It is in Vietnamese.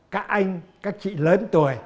các anh các chị lớn tuổi